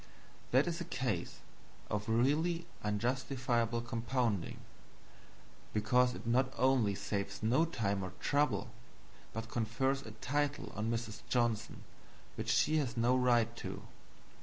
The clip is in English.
That is a case of really unjustifiable compounding; because it not only saves no time or trouble, but confers a title on Mrs. Johnson which she has no right to.